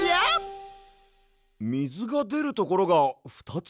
みずがでるところがふたつ？